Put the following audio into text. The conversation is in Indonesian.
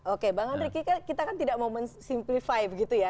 oke bang andri kita kan tidak mau men simplify gitu ya